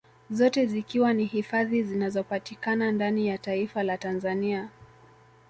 Zote zikiwa ni hifadhi zinazopatikana ndani ya taifa la Tanzania